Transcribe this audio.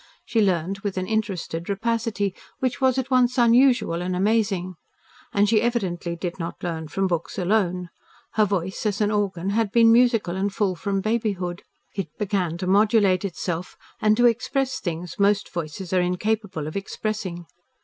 She learned with an interested rapacity which was at once unusual and amazing. And she evidently did not learn from books alone. Her voice, as an organ, had been musical and full from babyhood. It began to modulate itself and to express things most voices are incapable of expressing.